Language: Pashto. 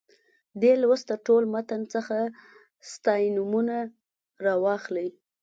دې لوست له ټول متن څخه ستاینومونه راواخلئ.